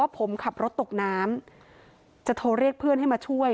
ผมขับรถตกน้ำจะโทรเรียกเพื่อนให้มาช่วย